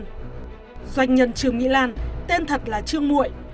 doanh nhân trương mỹ lan tên thật là trương mụi